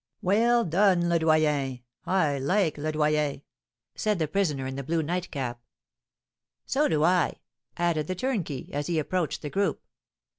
'" "Well done, Le Doyen! I like Le Doyen!" said the prisoner in the blue nightcap. "So do I!" added the turnkey, as he approached the group.